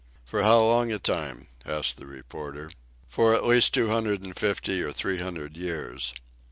"For how long a time?" asked the reporter. "For at least two hundred and fifty or three hundred years."